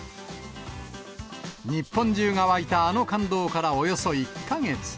日本中が湧いたあの感動からおよそ１か月。